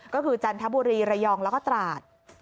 ก็คือจันทบุรีระยองแล้วก็ตราด